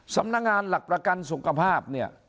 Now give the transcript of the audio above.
สำนักงานหลักประกันสุขภาพเนี่ย